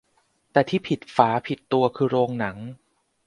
แต่ที่ผิดฝาผิดตัวคือโรงหนัง